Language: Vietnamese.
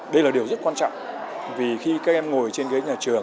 đây là điều rất quan trọng vì khi các em ngồi trên ghế nhà trường